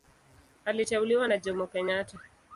Aliteuliwa na Jomo Kenyatta.